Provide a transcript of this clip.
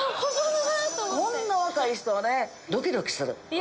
こんな若い人ドキドキする。